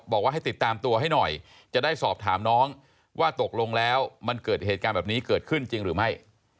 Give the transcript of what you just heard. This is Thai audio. บอกว่าให้ติดตามตัวให้หน่อยจะได้สอบถามน้องว่าตกลงแล้วมันเกิดเหตุการณ์แบบนี้เกิดขึ้นจริงหรือไม่